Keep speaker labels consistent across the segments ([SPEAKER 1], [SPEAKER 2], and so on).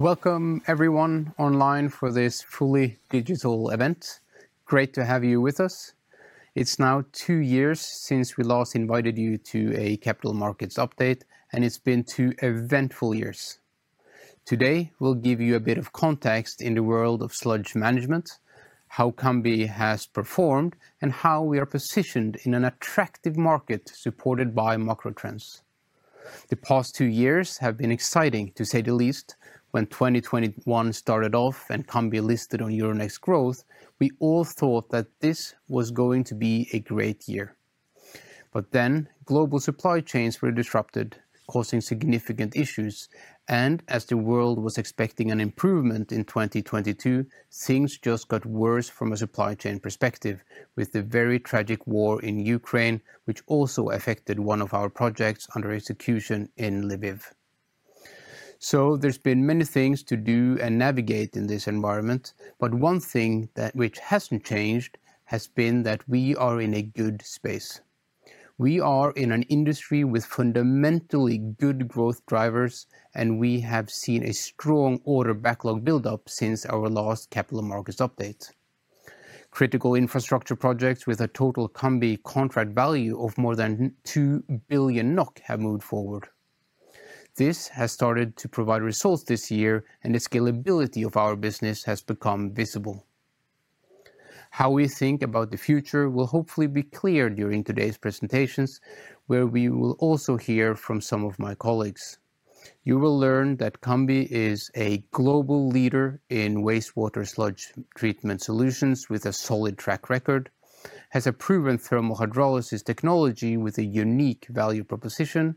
[SPEAKER 1] Welcome, everyone, online for this fully digital event. Great to have you with us. It's now two years since we last invited you to a Capital Markets Update, and it's been two eventful years. Today, we'll give you a bit of context in the world of sludge management, how Cambi has performed, and how we are positioned in an attractive market supported by macro trends. The past two years have been exciting, to say the least. When 2021 started off and Cambi listed on Euronext Growth, we all thought that this was going to be a great year. Global supply chains were disrupted, causing significant issues. As the world was expecting an improvement in 2022, things just got worse from a supply chain perspective, with the very tragic war in Ukraine, which also affected one of our projects under execution in Lviv. There have been many things to do and navigate in this environment. One thing that has not changed has been that we are in a good space. We are in an industry with fundamentally good growth drivers, and we have seen a strong order backlog buildup since our last Capital Markets Update. Critical infrastructure projects with a total Cambi contract value of more than 2 billion NOK have moved forward. This has started to provide results this year, and the scalability of our business has become visible. How we think about the future will hopefully be clear during today's presentations, where we will also hear from some of my colleagues. You will learn that Cambi is a global leader in wastewater sludge treatment solutions with a solid track record, has a proven thermal hydrolysis technology with a unique value proposition,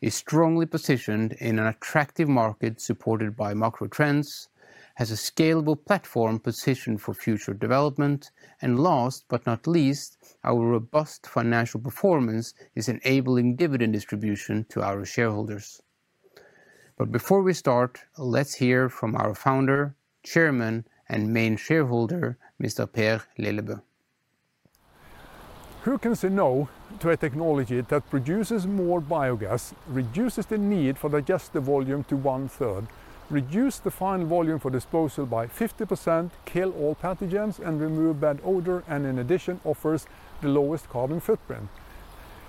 [SPEAKER 1] is strongly positioned in an attractive market supported by macro trends, has a scalable platform positioned for future development, and last but not least, our robust financial performance is enabling dividend distribution to our shareholders. Before we start, let's hear from our Founder, Chairman, and main shareholder, Mr. Per Lillebø.
[SPEAKER 2] Who can say no to a technology that produces more biogas, reduces the need for digestive volume to one-third, reduces the final volume for disposal by 50%, kills all pathogens, and removes bad odor, and in addition offers the lowest carbon footprint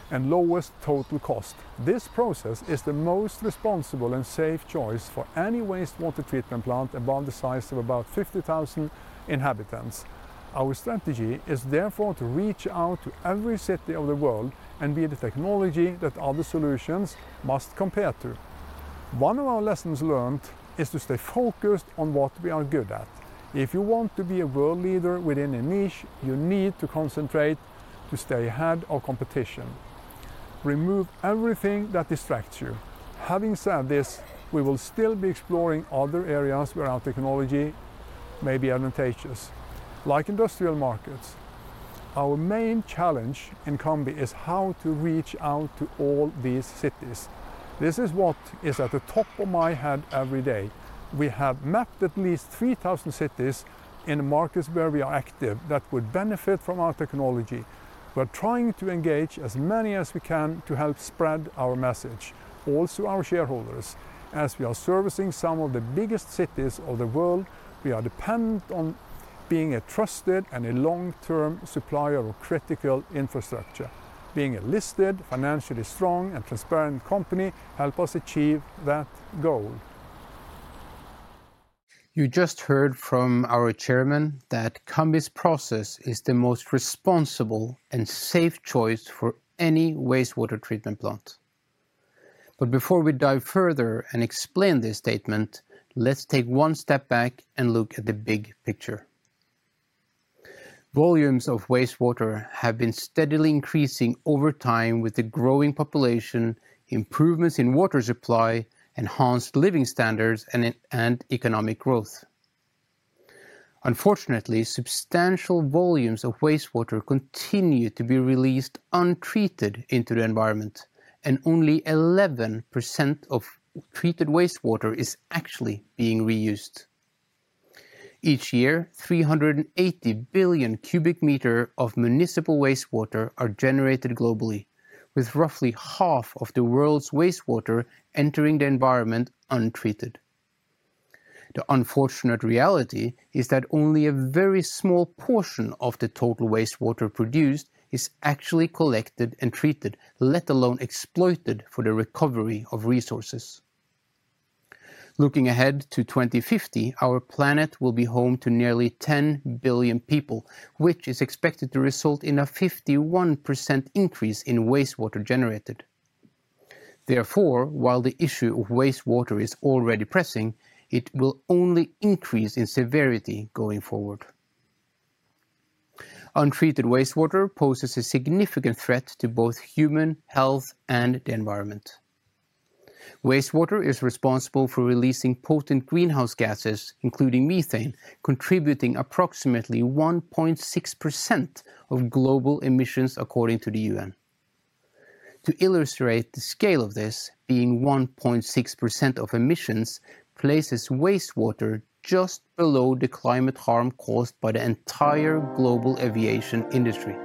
[SPEAKER 2] and lowest total cost? This process is the most responsible and safe choice for any wastewater treatment plant above the size of about 50,000 inhabitants. Our strategy is therefore to reach out to every city of the world and be the technology that other solutions must compare to. One of our lessons learned is to stay focused on what we are good at. If you want to be a world leader within a niche, you need to concentrate to stay ahead of competition. Remove everything that distracts you. Having said this, we will still be exploring other areas where our technology may be advantageous, like industrial markets. Our main challenge in Cambi is how to reach out to all these cities. This is what is at the top of my head every day. We have mapped at least 3,000 cities in the markets where we are active that would benefit from our technology. We're trying to engage as many as we can to help spread our message, also our shareholders. As we are servicing some of the biggest cities of the world, we are dependent on being a trusted and a long-term supplier of critical infrastructure. Being a listed, financially strong, and transparent company helps us achieve that goal.
[SPEAKER 1] You just heard from our Chairman that Cambi's process is the most responsible and safe choice for any wastewater treatment plant. Before we dive further and explain this statement, let's take one step back and look at the big picture. Volumes of wastewater have been steadily increasing over time with the growing population, improvements in water supply, enhanced living standards, and economic growth. Unfortunately, substantial volumes of wastewater continue to be released untreated into the environment, and only 11% of treated wastewater is actually being reused. Each year, 380 billion cubic meters of municipal wastewater are generated globally, with roughly half of the world's wastewater entering the environment untreated. The unfortunate reality is that only a very small portion of the total wastewater produced is actually collected and treated, let alone exploited for the recovery of resources. Looking ahead to 2050, our planet will be home to nearly 10 billion people, which is expected to result in a 51% increase in wastewater generated. Therefore, while the issue of wastewater is already pressing, it will only increase in severity going forward. Untreated wastewater poses a significant threat to both human health and the environment. Wastewater is responsible for releasing potent greenhouse gases, including methane, contributing approximately 1.6% of global emissions according to the UN. To illustrate the scale of this, being 1.6% of emissions places wastewater just below the climate harm caused by the entire global aviation industry.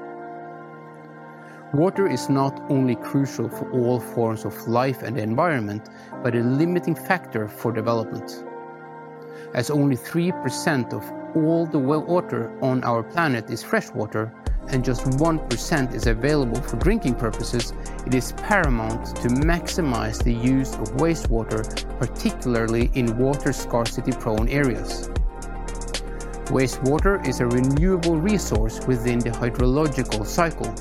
[SPEAKER 1] Water is not only crucial for all forms of life and the environment, but a limiting factor for development. As only 3% of all the well water on our planet is freshwater, and just 1% is available for drinking purposes, it is paramount to maximize the use of wastewater, particularly in water scarcity-prone areas. Wastewater is a renewable resource within the hydrological cycle.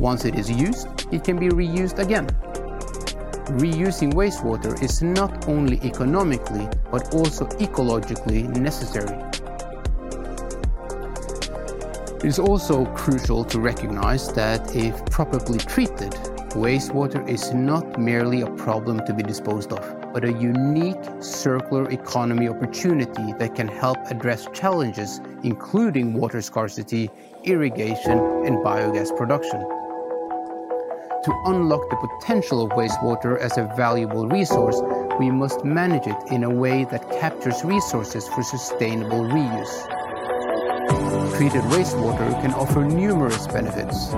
[SPEAKER 1] Once it is used, it can be reused again. Reusing wastewater is not only economically but also ecologically necessary. It is also crucial to recognize that if properly treated, wastewater is not merely a problem to be disposed of, but a unique circular economy opportunity that can help address challenges, including water scarcity, irrigation, and biogas production. To unlock the potential of wastewater as a valuable resource, we must manage it in a way that captures resources for sustainable reuse. Treated wastewater can offer numerous benefits.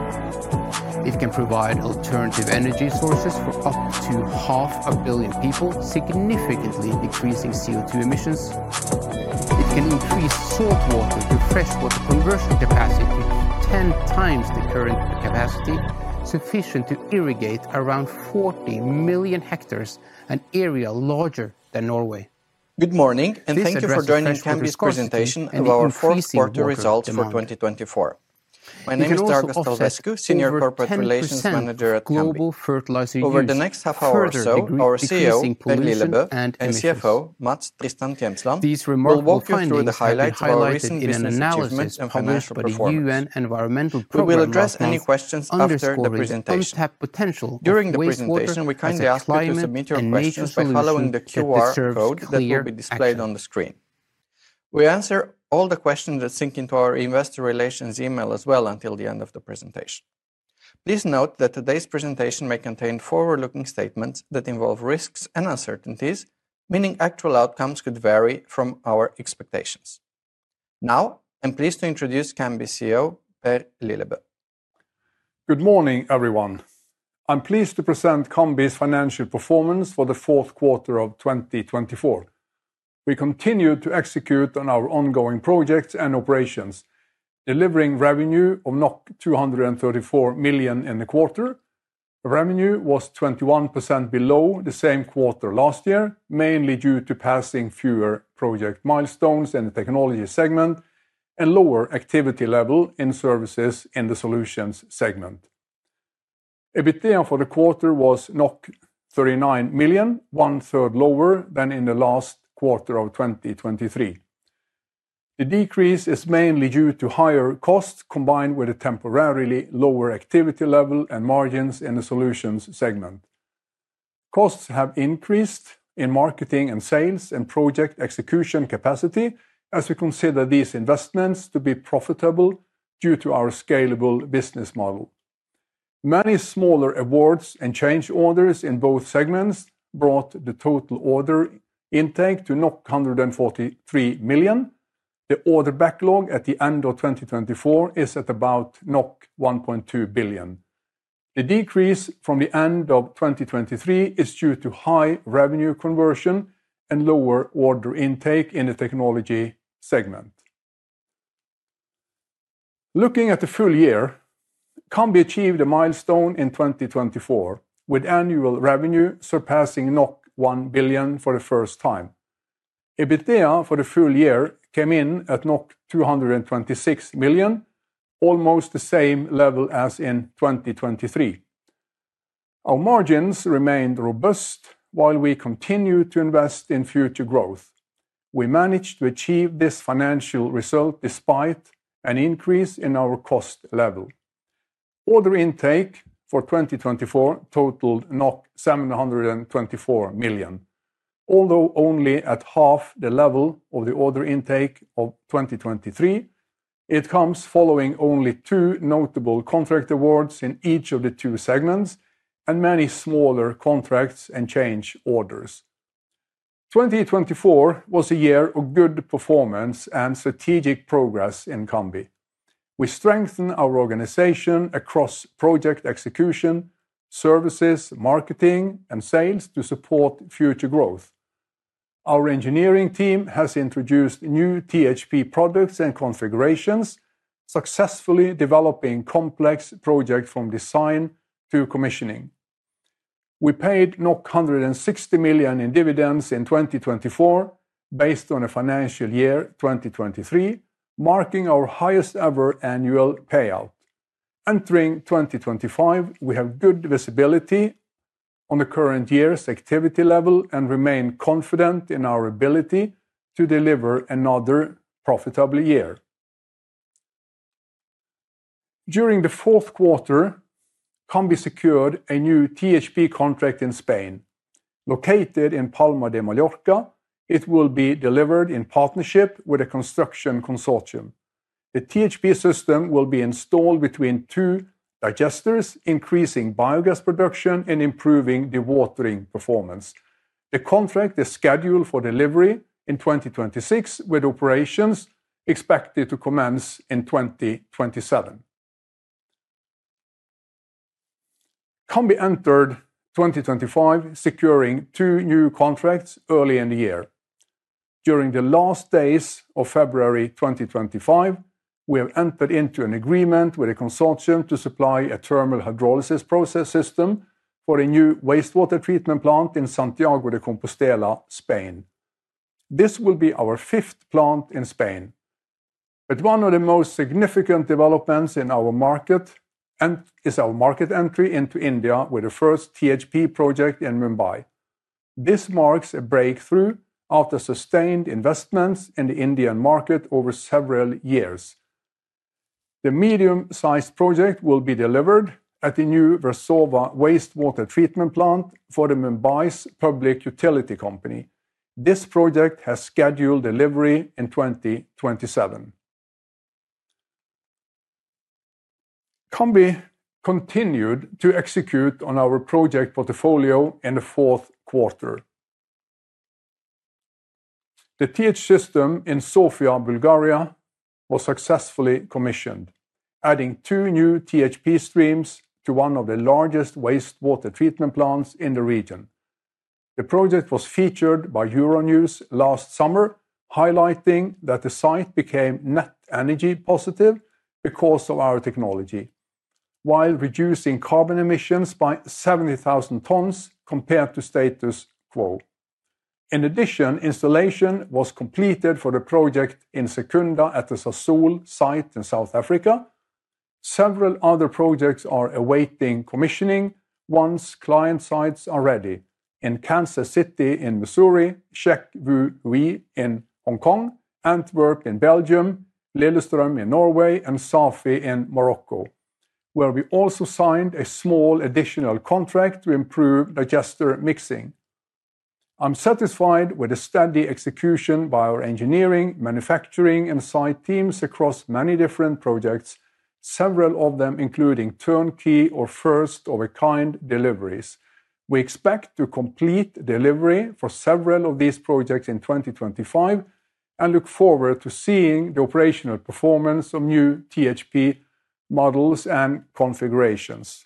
[SPEAKER 1] It can provide alternative energy sources for up to half a billion people, significantly decreasing CO2 emissions. It can increase saltwater to freshwater conversion capacity to 10 times the current capacity, sufficient to irrigate around 40 million hectares, an area larger than Norway. Good morning, and thank you for joining Cambi's presentation of our fourth quarter results for 2024. My name is Dragos Talvescu, Senior Corporate Relations Manager at Cambi. Over the next half hour or so, our CEO, Per Lillebø, and CFO, Mats Tristan Tjemsland, will walk you through the highlights of our recent business achievements and financial performance. We will address any questions after the presentation. During the presentation, we kindly ask you to submit your questions by following the QR code that will be displayed on the screen. We answer all the questions that sync into our investor relations email as well until the end of the presentation. Please note that today's presentation may contain forward-looking statements that involve risks and uncertainties, meaning actual outcomes could vary from our expectations. Now, I'm pleased to introduce Cambi's CEO, Per Lillebø.
[SPEAKER 2] Good morning, everyone. I'm pleased to present Cambi's financial performance for the fourth quarter of 2024. We continue to execute on our ongoing projects and operations, delivering revenue of 234 million in the quarter. Revenue was 21% below the same quarter last year, mainly due to passing fewer project milestones in the technology segment and lower activity level in services in the solutions segment. EBITDA for the quarter was 39 million, one-third lower than in the last quarter of 2023. The decrease is mainly due to higher costs combined with a temporarily lower activity level and margins in the solutions segment. Costs have increased in marketing and sales and project execution capacity as we consider these investments to be profitable due to our scalable business model. Many smaller awards and change orders in both segments brought the total order intake to 143 million. The order backlog at the end of 2024 is at about 1.2 billion. The decrease from the end of 2023 is due to high revenue conversion and lower order intake in the technology segment. Looking at the full year, Cambi achieved a milestone in 2024, with annual revenue surpassing 1 billion for the first time. EBITDA for the full year came in at 226 million, almost the same level as in 2023. Our margins remained robust while we continued to invest in future growth. We managed to achieve this financial result despite an increase in our cost level. Order intake for 2024 totaled 724 million. Although only at half the level of the order intake of 2023, it comes following only two notable contract awards in each of the two segments and many smaller contracts and change orders. 2024 was a year of good performance and strategic progress in Cambi. We strengthened our organization across project execution, services, marketing, and sales to support future growth. Our engineering team has introduced new THP products and configurations, successfully developing complex projects from design to commissioning. We paid 160 million in dividends in 2024, based on a financial year 2023, marking our highest ever annual payout. Entering 2025, we have good visibility on the current year's activity level and remain confident in our ability to deliver another profitable year. During the fourth quarter, Cambi secured a new THP contract in Spain. Located in Palma de Mallorca, it will be delivered in partnership with a construction consortium. The THP system will be installed between two digesters, increasing biogas production and improving dewatering performance. The contract is scheduled for delivery in 2026, with operations expected to commence in 2027. Cambi entered 2025, securing two new contracts early in the year. During the last days of February 2025, we have entered into an agreement with a consortium to supply a thermal hydrolysis process system for a new wastewater treatment plant in Santiago de Compostela, Spain. This will be our fifth plant in Spain. One of the most significant developments in our market is our market entry into India with the first THP project in Mumbai. This marks a breakthrough after sustained investments in the Indian market over several years. The medium-sized project will be delivered at the new Versova wastewater treatment plant for Mumbai's public utility company. This project has scheduled delivery in 2027. Cambi continued to execute on our project portfolio in the fourth quarter. The THP system in Sofia, Bulgaria, was successfully commissioned, adding two new THP streams to one of the largest wastewater treatment plants in the region. The project was featured by Euronews last summer, highlighting that the site became net energy positive because of our technology, while reducing carbon emissions by 70,000 tons compared to status quo. In addition, installation was completed for the project in Secunda at the Sasol site in South Africa. Several other projects are awaiting commissioning once client sites are ready in Kansas City in Missouri, Shek Wu Hui in Hong Kong, Antwerp in Belgium, Lillestrøm in Norway, and Safi in Morocco, where we also signed a small additional contract to improve digester mixing. I'm satisfied with the steady execution by our engineering, manufacturing, and site teams across many different projects, several of them including turnkey or first-of-a-kind deliveries. We expect to complete delivery for several of these projects in 2025 and look forward to seeing the operational performance of new THP models and configurations.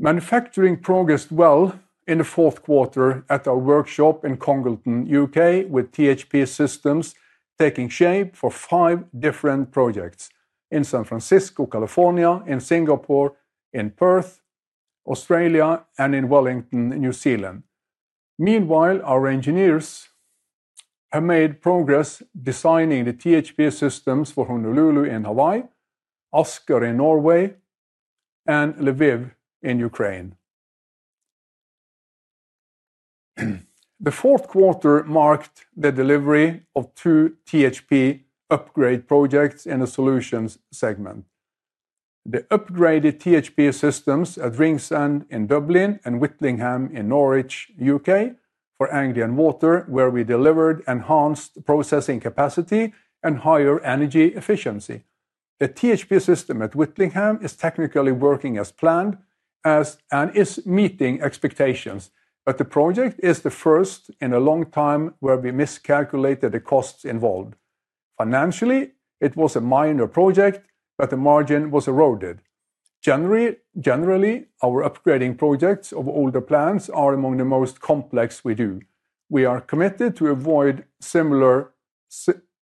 [SPEAKER 2] Manufacturing progressed well in the fourth quarter at our workshop in Congleton, U.K., with THP systems taking shape for five different projects in San Francisco, California, in Singapore, in Perth, Australia, and in Wellington, New Zealand. Meanwhile, our engineers have made progress designing the THP systems for Honolulu in Hawaii, Asker in Norway, and Lviv in Ukraine. The fourth quarter marked the delivery of two THP upgrade projects in the solutions segment. The upgraded THP systems at Ringsend in Dublin and Whittingham in Norwich, U.K., for Anglian Water, where we delivered enhanced processing capacity and higher energy efficiency. The THP system at Whittingham is technically working as planned and is meeting expectations, but the project is the first in a long time where we miscalculated the costs involved. Financially, it was a minor project, but the margin was eroded. Generally, our upgrading projects of older plants are among the most complex we do. We are committed to avoid similar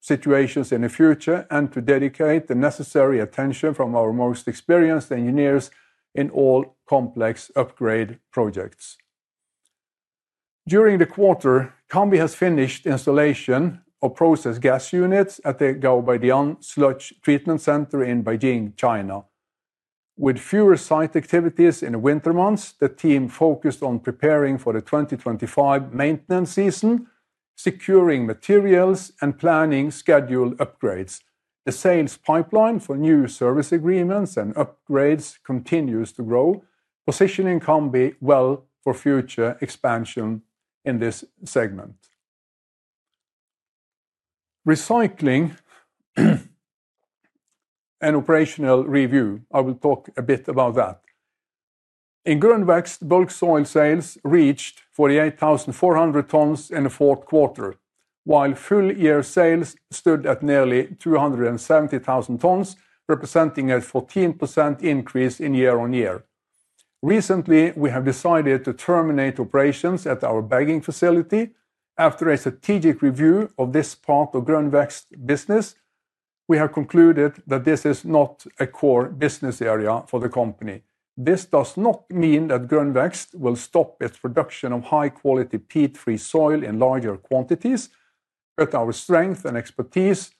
[SPEAKER 2] situations in the future and to dedicate the necessary attention from our most experienced engineers in all complex upgrade projects. During the quarter, Cambi has finished installation of process gas units at the Gaobeidian Sludge Treatment Center in Beijing, China. With fewer site activities in the winter months, the team focused on preparing for the 2025 maintenance season, securing materials, and planning scheduled upgrades. The sales pipeline for new service agreements and upgrades continues to grow, positioning Cambi well for future expansion in this segment. Recycling and operational review. I will talk a bit about that. In Grønn Vekst, the bulk soil sales reached 48,400 tons in the fourth quarter, while full year sales stood at nearly 270,000 tons, representing a 14% increase in year-on-year. Recently, we have decided to terminate operations at our bagging facility. After a strategic review of this part of Grønn Vekst's business, we have concluded that this is not a core business area for the company. This does not mean that Grønn Vekst will stop its production of high-quality P3 soil in larger quantities, but our strength and expertise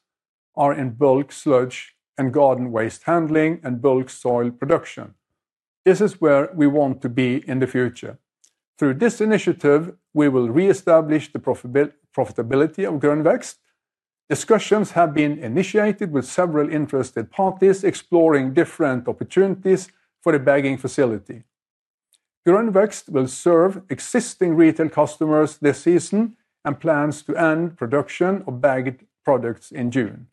[SPEAKER 2] are in bulk sludge and garden waste handling and bulk soil production. This is where we want to be in the future. Through this initiative, we will reestablish the profitability of Grønn Vekst. Discussions have been initiated with several interested parties exploring different opportunities for the bagging facility. Grønn Vekst will serve existing retail customers this season and plans to end production of bagged products in June.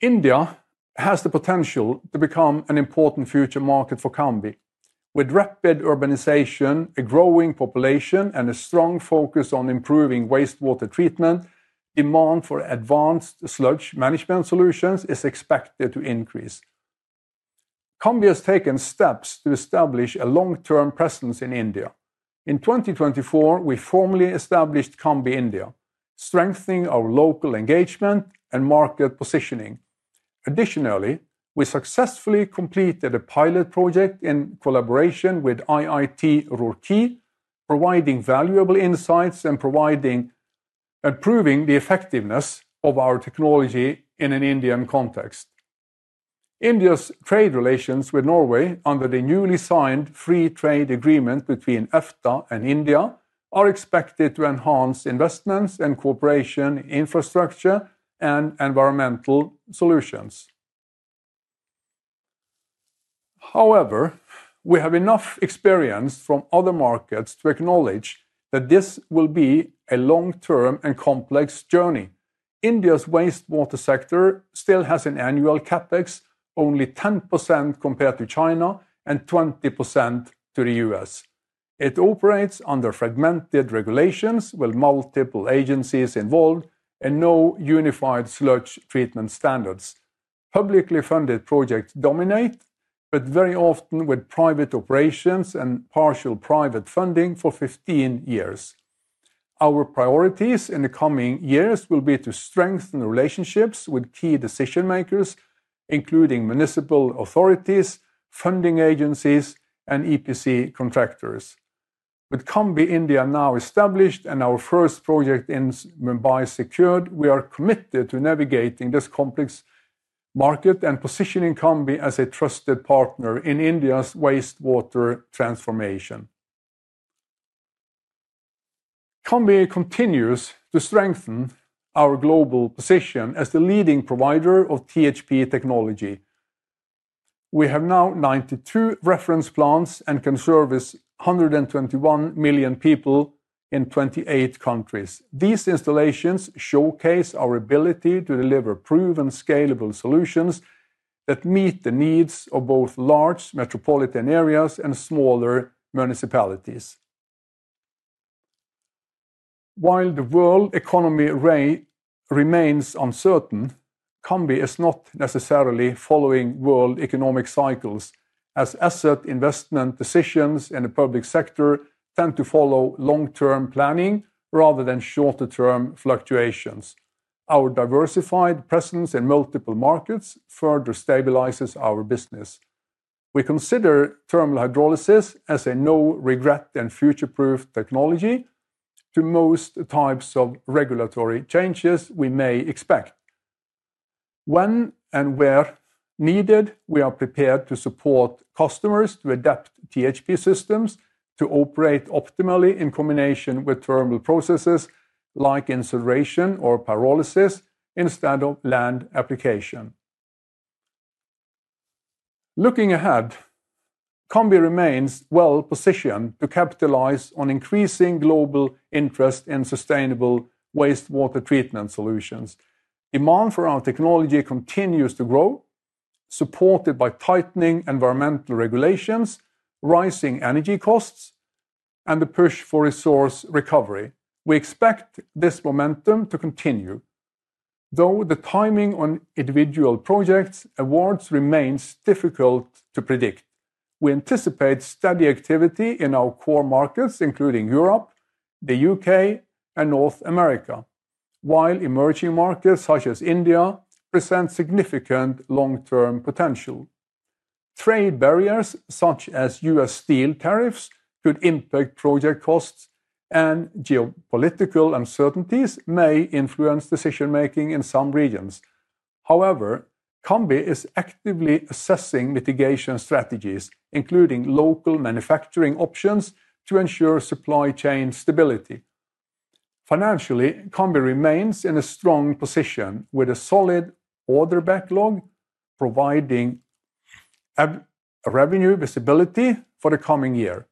[SPEAKER 2] India has the potential to become an important future market for Cambi. With rapid urbanization, a growing population, and a strong focus on improving wastewater treatment, demand for advanced sludge management solutions is expected to increase. Cambi has taken steps to establish a long-term presence in India. In 2024, we formally established Cambi India, strengthening our local engagement and market positioning. Additionally, we successfully completed a pilot project in collaboration with IIT Roorkee, providing valuable insights and proving the effectiveness of our technology in an Indian context. India's trade relations with Norway under the newly signed free trade agreement between EFTA and India are expected to enhance investments and cooperation in infrastructure and environmental solutions. However, we have enough experience from other markets to acknowledge that this will be a long-term and complex journey. India's wastewater sector still has an annual CapEx of only 10% compared to China and 20% to the U.S.. It operates under fragmented regulations with multiple agencies involved and no unified sludge treatment standards. Publicly funded projects dominate, but very often with private operations and partial private funding for 15 years. Our priorities in the coming years will be to strengthen relationships with key decision-makers, including municipal authorities, funding agencies, and EPC contractors. With Cambi India now established and our first project in Mumbai secured, we are committed to navigating this complex market and positioning Cambi as a trusted partner in India's wastewater transformation. Cambi continues to strengthen our global position as the leading provider of THP technology. We have now 92 reference plants and can service 121 million people in 28 countries. These installations showcase our ability to deliver proven scalable solutions that meet the needs of both large metropolitan areas and smaller municipalities. While the world economy remains uncertain, Cambi is not necessarily following world economic cycles, as asset investment decisions in the public sector tend to follow long-term planning rather than shorter-term fluctuations. Our diversified presence in multiple markets further stabilizes our business. We consider thermal hydrolysis as a no-regret and future-proof technology to most types of regulatory changes we may expect. When and where needed, we are prepared to support customers to adapt THP systems to operate optimally in combination with thermal processes like incineration or pyrolysis instead of land application. Looking ahead, Cambi remains well positioned to capitalize on increasing global interest in sustainable wastewater treatment solutions. Demand for our technology continues to grow, supported by tightening environmental regulations, rising energy costs, and the push for resource recovery. We expect this momentum to continue, though the timing on individual projects and awards remains difficult to predict. We anticipate steady activity in our core markets, including Europe, the U.K., and North America, while emerging markets such as India present significant long-term potential. Trade barriers such as U.S. steel tariffs could impact project costs, and geopolitical uncertainties may influence decision-making in some regions. However, Cambi is actively assessing mitigation strategies, including local manufacturing options, to ensure supply chain stability. Financially, Cambi remains in a strong position with a solid order backlog, providing revenue visibility for the coming year.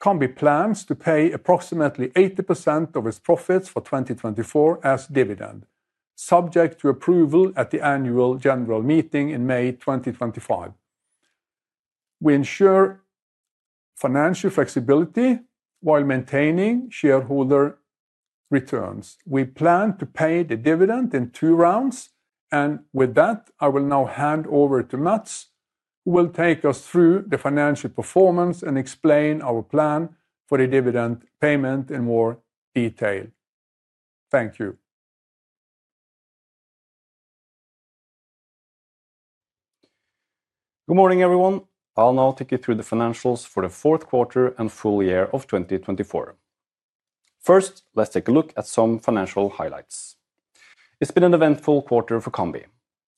[SPEAKER 2] Cambi plans to pay approximately 80% of its profits for 2024 as dividend, subject to approval at the annual general meeting in May 2025. We ensure financial flexibility while maintaining shareholder returns. We plan to pay the dividend in two rounds, and with that, I will now hand over to Mats, who will take us through the financial performance and explain our plan for the dividend payment in more detail.
[SPEAKER 3] Thank you. Good morning, everyone. I'll now take you through the financials for the fourth quarter and full year of 2024. First, let's take a look at some financial highlights. It's been an eventful quarter for Cambi,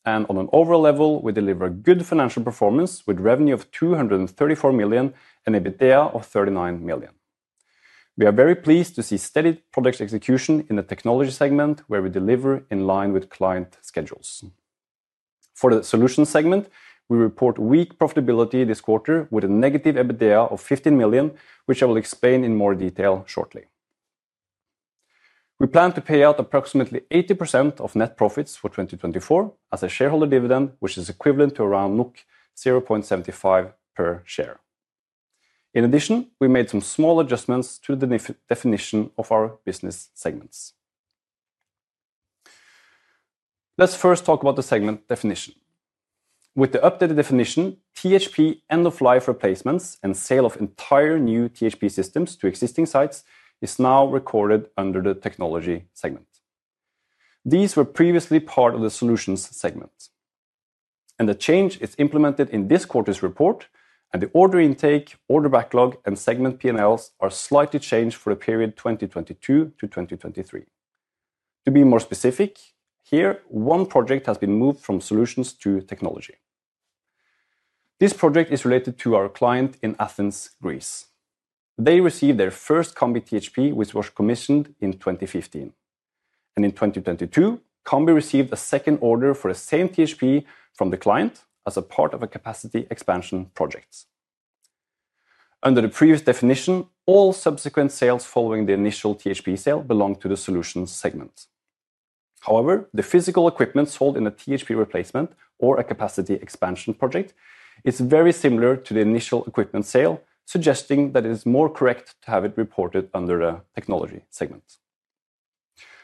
[SPEAKER 3] and on an overall level, we deliver good financial performance with revenue of 234 million and an EBITDA of 39 million. We are very pleased to see steady project execution in the technology segment, where we deliver in line with client schedules. For the solution segment, we report weak profitability this quarter with a negative EBITDA of 15 million, which I will explain in more detail shortly. We plan to pay out approximately 80% of net profits for 2024 as a shareholder dividend, which is equivalent to around 0.75 per share. In addition, we made some small adjustments to the definition of our business segments. Let's first talk about the segment definition. With the updated definition, THP end-of-life replacements and sale of entire new THP systems to existing sites is now recorded under the technology segment. These were previously part of the solutions segment, and the change is implemented in this quarter's report, and the order intake, order backlog, and segment P&Ls are slightly changed for the period 2022-2023. To be more specific, here, one project has been moved from solutions to technology. This project is related to our client in Athens, Greece. They received their first Cambi THP, which was commissioned in 2015, and in 2022, Cambi received a second order for the same THP from the client as a part of a capacity expansion project. Under the previous definition, all subsequent sales following the initial THP sale belong to the solutions segment. However, the physical equipment sold in a THP replacement or a capacity expansion project is very similar to the initial equipment sale, suggesting that it is more correct to have it reported under a technology segment.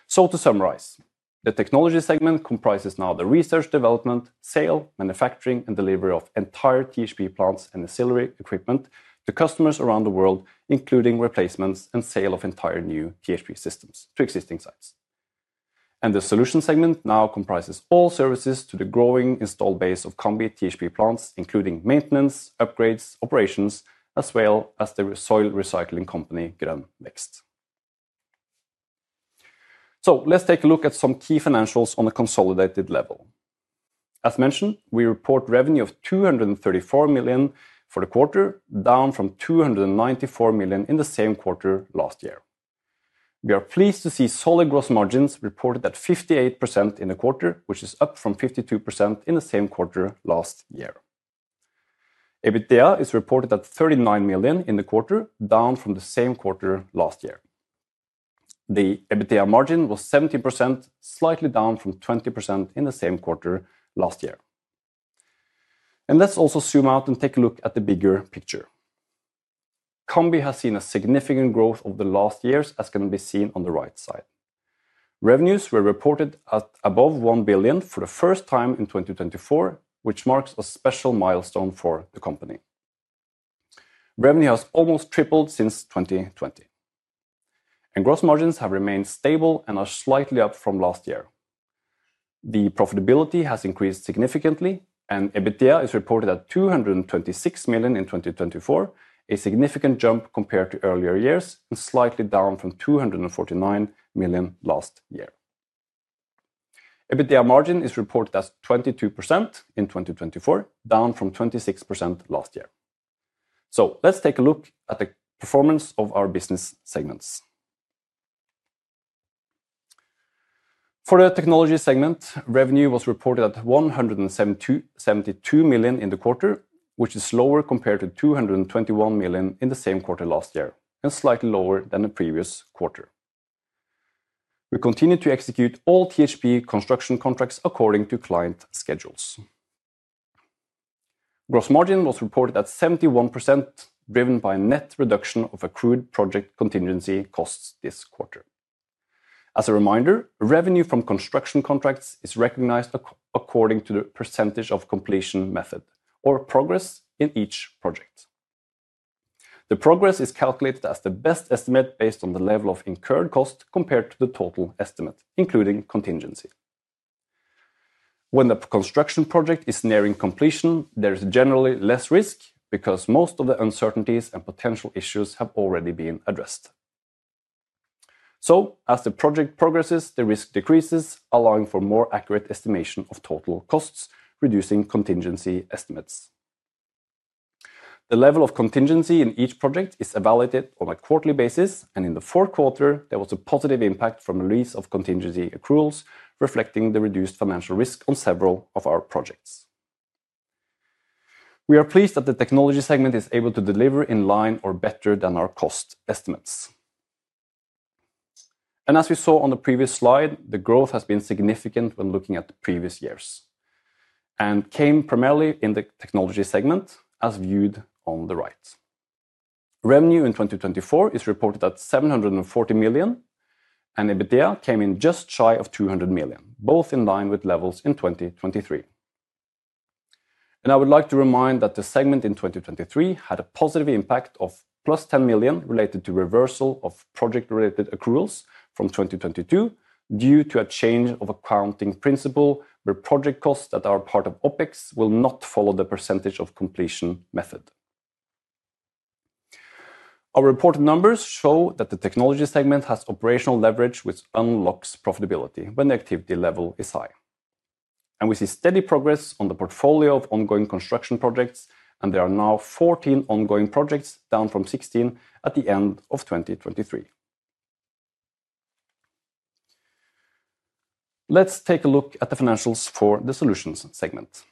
[SPEAKER 3] To summarize, the technology segment comprises now the research, development, sale, manufacturing, and delivery of entire THP plants and ancillary equipment to customers around the world, including replacements and sale of entire new THP systems to existing sites. The solution segment now comprises all services to the growing install base of Cambi THP plants, including maintenance, upgrades, operations, as well as the soil recycling company Grønn Vekst. Let's take a look at some key financials on a consolidated level. As mentioned, we report revenue of 234 million for the quarter, down from 294 million in the same quarter last year. We are pleased to see solid gross margins reported at 58% in the quarter, which is up from 52% in the same quarter last year. EBITDA is reported at 39 million in the quarter, down from the same quarter last year. The EBITDA margin was 17%, slightly down from 20% in the same quarter last year. Let's also zoom out and take a look at the bigger picture. Cambi has seen significant growth over the last years, as can be seen on the right side. Revenues were reported at above 1 billion for the first time in 2024, which marks a special milestone for the company. Revenue has almost tripled since 2020, and gross margins have remained stable and are slightly up from last year. The profitability has increased significantly, and EBITDA is reported at 226 million in 2024, a significant jump compared to earlier years and slightly down from 249 million last year. EBITDA margin is reported as 22% in 2024, down from 26% last year. Let's take a look at the performance of our business segments. For the technology segment, revenue was reported at 172 million in the quarter, which is lower compared to 221 million in the same quarter last year and slightly lower than the previous quarter. We continue to execute all THP construction contracts according to client schedules. Gross margin was reported at 71%, driven by a net reduction of accrued project contingency costs this quarter. As a reminder, revenue from construction contracts is recognized according to the percentage of completion method or progress in each project. The progress is calculated as the best estimate based on the level of incurred cost compared to the total estimate, including contingency. When the construction project is nearing completion, there is generally less risk because most of the uncertainties and potential issues have already been addressed. As the project progresses, the risk decreases, allowing for more accurate estimation of total costs, reducing contingency estimates. The level of contingency in each project is evaluated on a quarterly basis, and in the fourth quarter, there was a positive impact from the release of contingency accruals, reflecting the reduced financial risk on several of our projects. We are pleased that the technology segment is able to deliver in line or better than our cost estimates. As we saw on the previous slide, the growth has been significant when looking at the previous years and came primarily in the technology segment, as viewed on the right. Revenue in 2024 is reported at 740 million, and EBITDA came in just shy of 200 million, both in line with levels in 2023. I would like to remind that the segment in 2023 had a positive impact of plus 10 million related to reversal of project-related accruals from 2022 due to a change of accounting principle where project costs that are part of OpEx will not follow the percentage of completion method. Our reported numbers show that the technology segment has operational leverage, which unlocks profitability when the activity level is high. We see steady progress on the portfolio of ongoing construction projects, and there are now 14 ongoing projects, down from 16 at the end of 2023. Let's take a look at the financials for the solutions segment.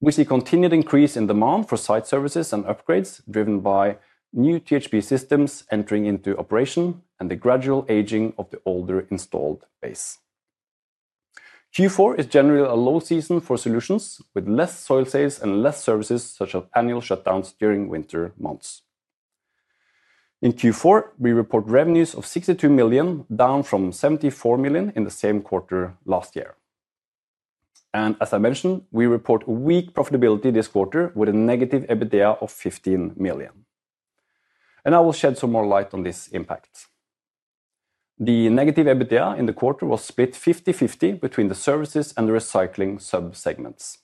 [SPEAKER 3] We see continued increase in demand for site services and upgrades, driven by new THP systems entering into operation and the gradual aging of the older installed base. Q4 is generally a low season for solutions with less soil sales and less services, such as annual shutdowns during winter months. In Q4, we report revenues of 62 million, down from 74 million in the same quarter last year. As I mentioned, we report a weak profitability this quarter with a negative EBITDA of 15 million. I will shed some more light on this impact. The negative EBITDA in the quarter was split 50/50 between the services and the recycling sub-segments.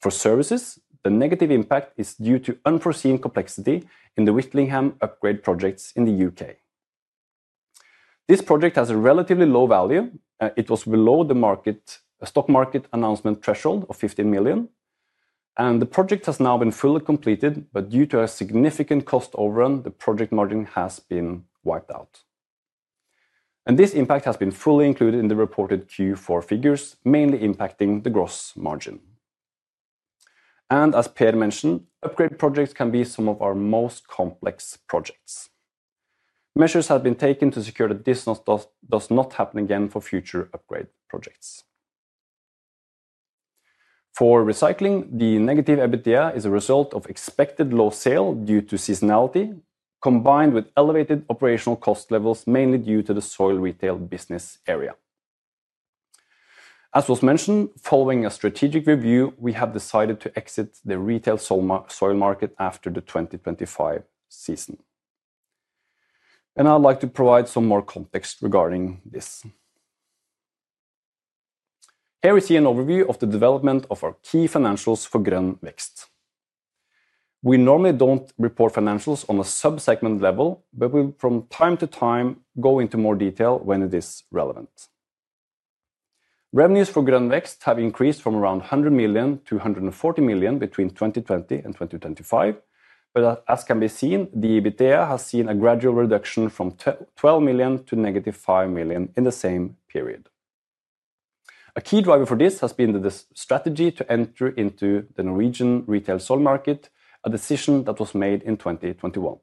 [SPEAKER 3] For services, the negative impact is due to unforeseen complexity in the Whittingham upgrade projects in the U.K.. This project has a relatively low value. It was below the market stock market announcement threshold of 15 million, and the project has now been fully completed, due to a significant cost overrun, the project margin has been wiped out. This impact has been fully included in the reported Q4 figures, mainly impacting the gross margin. As Per mentioned, upgrade projects can be some of our most complex projects. Measures have been taken to secure that this does not happen again for future upgrade projects. For recycling, the negative EBITDA is a result of expected low sale due to seasonality, combined with elevated operational cost levels, mainly due to the soil retail business area. As was mentioned, following a strategic review, we have decided to exit the retail soil market after the 2025 season. I would like to provide some more context regarding this. Here we see an overview of the development of our key financials for Grønn Vekst. We normally do not report financials on a sub-segment level, but we will from time to time go into more detail when it is relevant. Revenues for Grønn Vekst have increased from around 100 million to 140 million between 2020 and 2025, but as can be seen, the EBITDA has seen a gradual reduction from 12 million to negative 5 million in the same period. A key driver for this has been the strategy to enter into the Norwegian retail soil market, a decision that was made in 2021.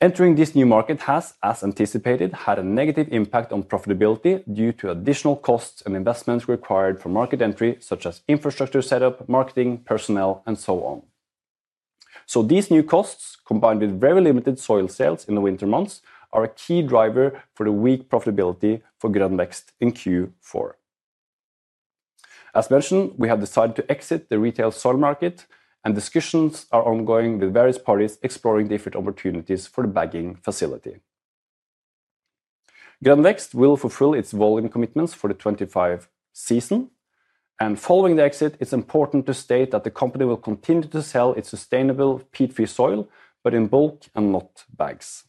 [SPEAKER 3] Entering this new market has, as anticipated, had a negative impact on profitability due to additional costs and investments required for market entry, such as infrastructure setup, marketing, personnel, and so on. These new costs, combined with very limited soil sales in the winter months, are a key driver for the weak profitability for Grønn Vekst in Q4. As mentioned, we have decided to exit the retail soil market, and discussions are ongoing with various parties exploring different opportunities for the bagging facility. Grønn Vekst will fulfill its volume commitments for the 2025 season, and following the exit, it's important to state that the company will continue to sell its sustainable peat-free soil, but in bulk and not bags.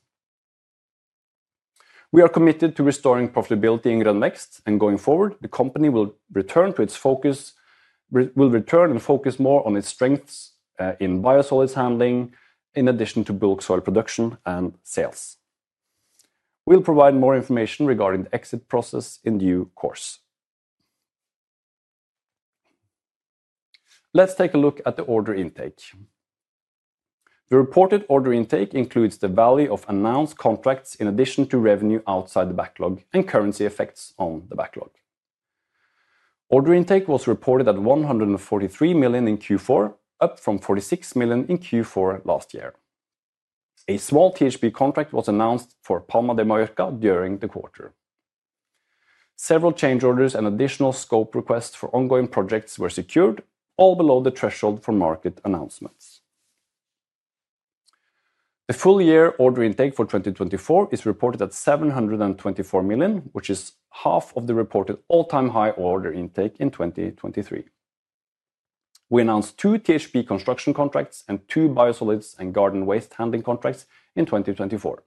[SPEAKER 3] We are committed to restoring profitability in Grønn Vekst, and going forward, the company will return to its focus, will return and focus more on its strengths in biosolids handling, in addition to bulk soil production and sales. We'll provide more information regarding the exit process in due course. Let's take a look at the order intake. The reported order intake includes the value of announced contracts in addition to revenue outside the backlog and currency effects on the backlog. Order intake was reported at 143 million in Q4, up from 46 million in Q4 last year. A small THP contract was announced for Palma de Mallorca during the quarter. Several change orders and additional scope requests for ongoing projects were secured, all below the threshold for market announcements. The full year order intake for 2024 is reported at 724 million, which is half of the reported all-time high order intake in 2023. We announced two THP construction contracts and two biosolids and garden waste handling contracts in 2024.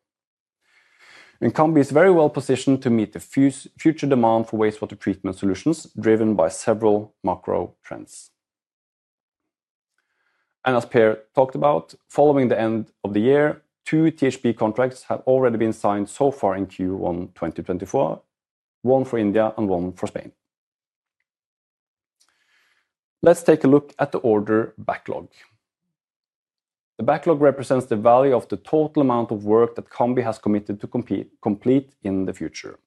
[SPEAKER 3] Cambi is very well positioned to meet the future demand for wastewater treatment solutions driven by several macro trends. As Per talked about, following the end of the year, two THP contracts have already been signed so far in Q1 2024, one for India and one for Spain. Let's take a look at the order backlog. The backlog represents the value of the total amount of work that Cambi has committed to complete in the future.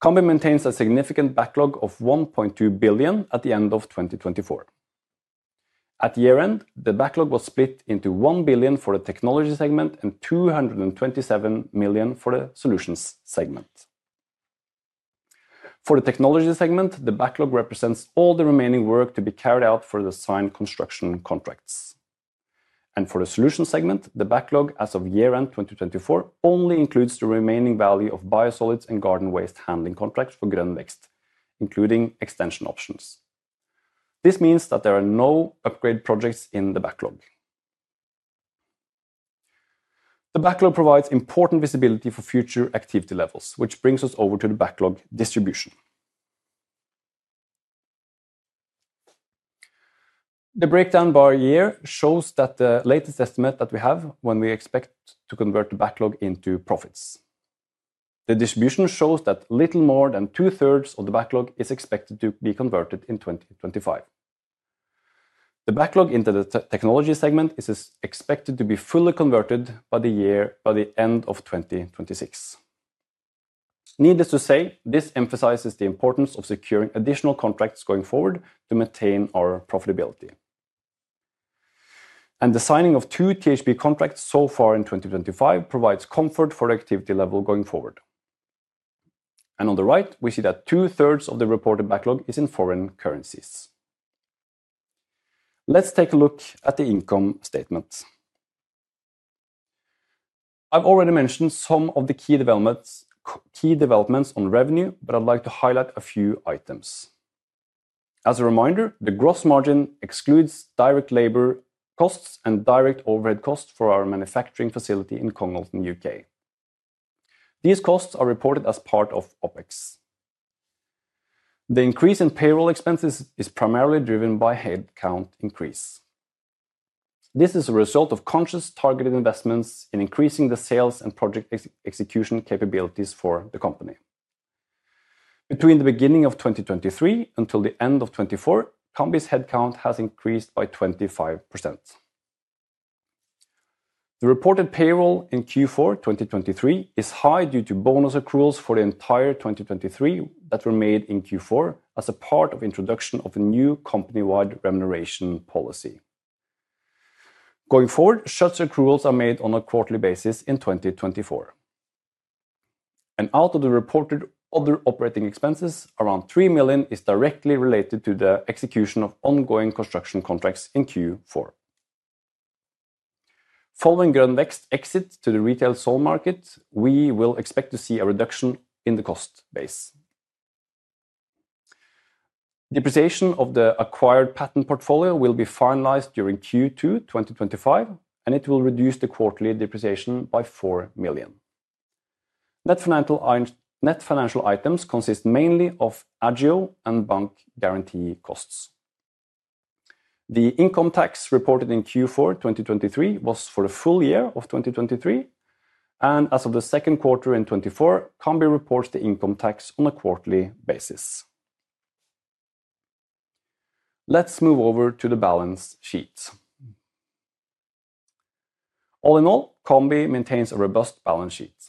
[SPEAKER 3] Cambi maintains a significant backlog of 1.2 billion at the end of 2024. At year end, the backlog was split into 1 billion for the technology segment and 227 million for the solutions segment. For the technology segment, the backlog represents all the remaining work to be carried out for the signed construction contracts. For the solutions segment, the backlog as of year end 2024 only includes the remaining value of biosolids and garden waste handling contracts for Grønn Vekst, including extension options. This means that there are no upgrade projects in the backlog. The backlog provides important visibility for future activity levels, which brings us over to the backlog distribution. The breakdown by year shows the latest estimate that we have when we expect to convert the backlog into profits. The distribution shows that a little more than two-thirds of the backlog is expected to be converted in 2025. The backlog into the technology segment is expected to be fully converted by the year by the end of 2026. Needless to say, this emphasizes the importance of securing additional contracts going forward to maintain our profitability. The signing of two THP contracts so far in 2025 provides comfort for the activity level going forward. On the right, we see that two-thirds of the reported backlog is in foreign currencies. Let's take a look at the income statement. I've already mentioned some of the key developments on revenue, but I'd like to highlight a few items. As a reminder, the gross margin excludes direct labor costs and direct overhead costs for our manufacturing facility in Congleton, U.K.. These costs are reported as part of OpEx. The increase in payroll expenses is primarily driven by headcount increase. This is a result of conscious targeted investments in increasing the sales and project execution capabilities for the company. Between the beginning of 2023 until the end of 2024, Cambi's headcount has increased by 25%. The reported payroll in Q4 2023 is high due to bonus accruals for the entire 2023 that were made in Q4 as a part of the introduction of a new company-wide remuneration policy. Going forward, such accruals are made on a quarterly basis in 2024. Out of the reported other operating expenses, around 3 million is directly related to the execution of ongoing construction contracts in Q4. Following Grønn Vekst's exit to the retail soil market, we will expect to see a reduction in the cost base. Depreciation of the acquired patent portfolio will be finalized during Q2 2025, and it will reduce the quarterly depreciation by 4 million. Net financial items consist mainly of agio and bank guarantee costs. The income tax reported in Q4 2023 was for the full year of 2023, and as of the second quarter in 2024, Cambi reports the income tax on a quarterly basis. Let's move over to the balance sheet. All in all, Cambi maintains a robust balance sheet.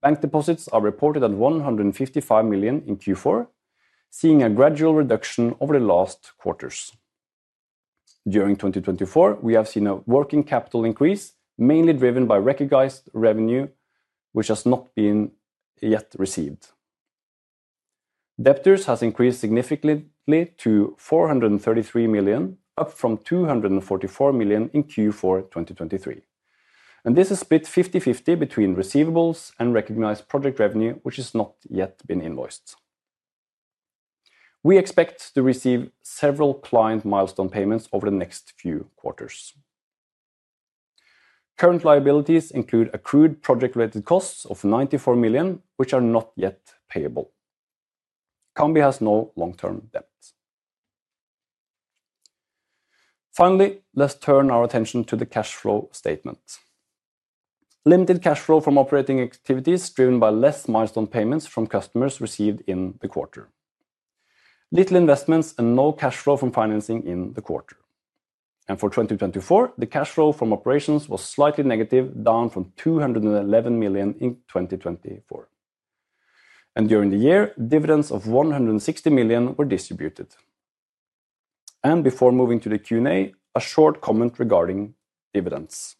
[SPEAKER 3] Bank deposits are reported at 155 million in Q4, seeing a gradual reduction over the last quarters. During 2024, we have seen a working capital increase, mainly driven by recognized revenue, which has not been yet received. Debtors has increased significantly to 433 million, up from 244 million in Q4 2023. This is split 50/50 between receivables and recognized project revenue, which has not yet been invoiced. We expect to receive several client milestone payments over the next few quarters. Current liabilities include accrued project-related costs of 94 million, which are not yet payable. Cambi has no long-term debt. Finally, let's turn our attention to the cash flow statement. Limited cash flow from operating activities driven by less milestone payments from customers received in the quarter. Little investments and no cash flow from financing in the quarter. For 2024, the cash flow from operations was slightly negative, down from 211 million in 2024. During the year, dividends of 160 million were distributed. Before moving to the Q&A, a short comment regarding dividends.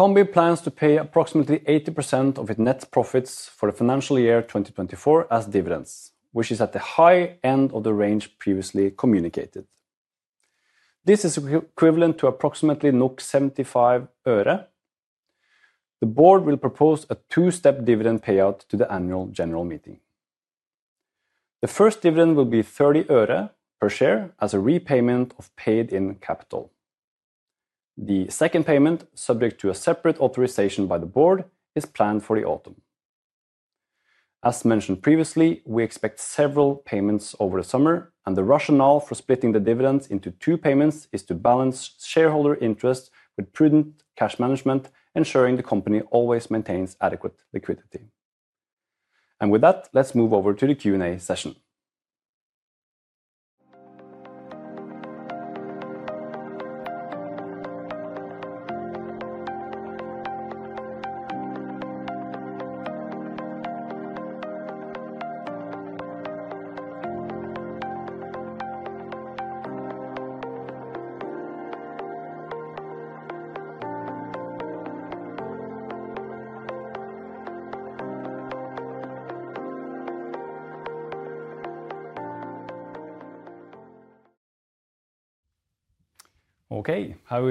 [SPEAKER 3] Cambi plans to pay approximately 80% of its net profits for the financial year 2024 as dividends, which is at the high end of the range previously communicated. This is equivalent to approximately 0.75. The board will propose a two-step dividend payout to the annual general meeting. The first dividend will be NOK 0.30 per share as a repayment of paid-in capital. The second payment, subject to a separate authorization by the board, is planned for the autumn. As mentioned previously, we expect several payments over the summer, and the rationale for splitting the dividends into two payments is to balance shareholder interest with prudent cash management, ensuring the company always maintains adequate liquidity. With that, let's move over to the Q&A session.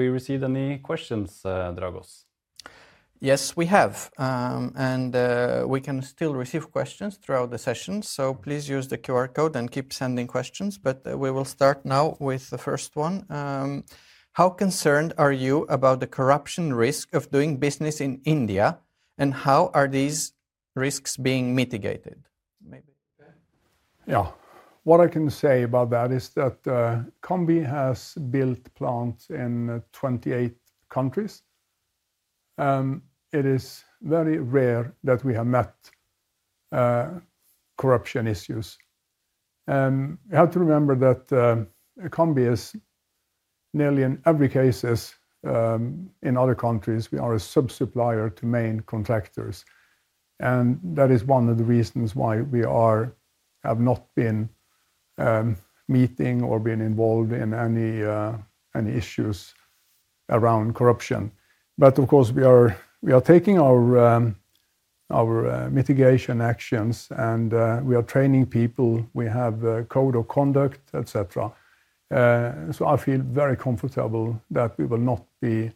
[SPEAKER 3] Okay, have we received any questions, Dragos?
[SPEAKER 1] Yes, we have. We can still receive questions throughout the session, so please use the QR code and keep sending questions, but we will start now with the first one. How concerned are you about the corruption risk of doing business in India, and how are these risks being mitigated? Maybe?
[SPEAKER 2] Yeah, what I can say about that is that Cambi has built plants in 28 countries. It is very rare that we have met corruption issues. You have to remember that Cambi is nearly in every case in other countries, we are a sub-supplier to main contractors. That is one of the reasons why we have not been meeting or being involved in any issues around corruption. Of course, we are taking our mitigation actions, and we are training people. We have code of conduct, etc. I feel very comfortable that we will not be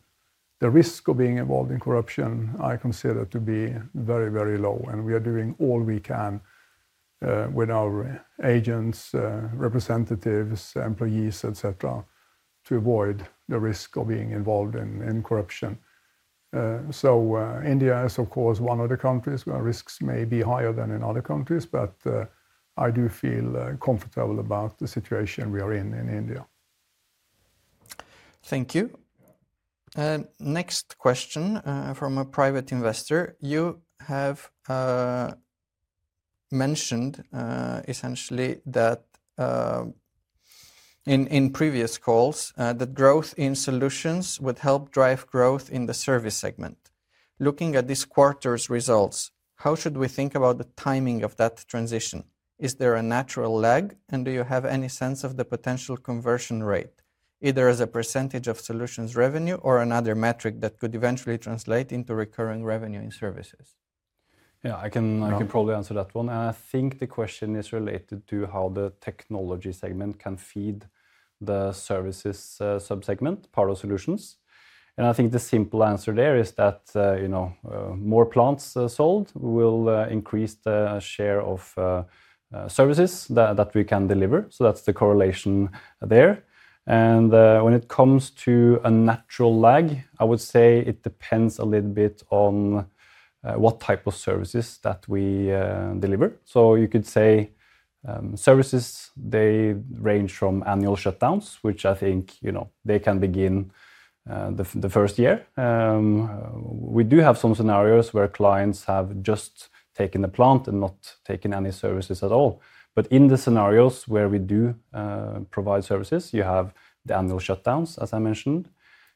[SPEAKER 2] the risk of being involved in corruption, I consider to be very, very low. We are doing all we can with our agents, representatives, employees, etc., to avoid the risk of being involved in corruption. India is, of course, one of the countries where risks may be higher than in other countries, but I do feel comfortable about the situation we are in in India.
[SPEAKER 1] Thank you. Next question from a private investor. You have mentioned essentially that in previous calls, that growth in solutions would help drive growth in the service segment. Looking at this quarter's results, how should we think about the timing of that transition? Is there a natural lag, and do you have any sense of the potential conversion rate, either as a percentage of solutions revenue or another metric that could eventually translate into recurring revenue in services?
[SPEAKER 3] Yeah, I can probably answer that one. I think the question is related to how the technology segment can feed the services sub-segment, part of solutions. I think the simple answer there is that, you know, more plants sold will increase the share of services that we can deliver. That is the correlation there. When it comes to a natural lag, I would say it depends a little bit on what type of services that we deliver. You could say services, they range from annual shutdowns, which I think, you know, they can begin the first year. We do have some scenarios where clients have just taken the plant and not taken any services at all. In the scenarios where we do provide services, you have the annual shutdowns, as I mentioned.